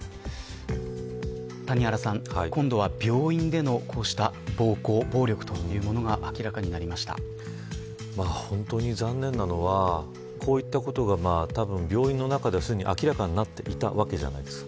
今度は病院での、こうした暴行暴力というものが本当に残念なのはこういったことがたぶん病院の中ではすでに明らかになっていたわけじゃないですか。